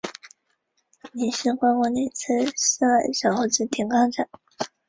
稻田仰卧秆藨草为莎草科藨草属下的一个变种。